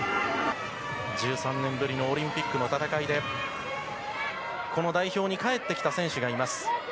１３年ぶりのオリンピックの戦いで、この代表に帰ってきた選手がいます。